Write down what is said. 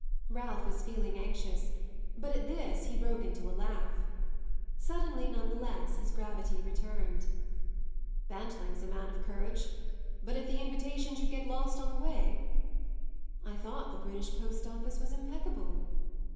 Ralph was feeling anxious, but at this he broke into a laugh. Suddenly, none the less, his gravity returned. "Bantling's a man of courage. But if the invitation should get lost on the way?" "I thought the British post office was impeccable."